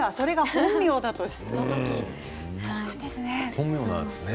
本名なんですね。